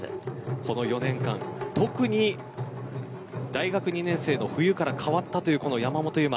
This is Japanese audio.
この４年間、特に大学２年生の冬から変わったというこの山本有真。